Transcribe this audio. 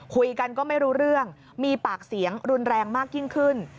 คุยกันก็ไม่รู้เรื่องมีปากเสียงรุนแรงมากยิ่งขึ้น